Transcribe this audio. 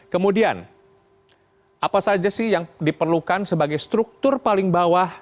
kemudian apa saja sih yang diperlukan sebagai struktur paling bawah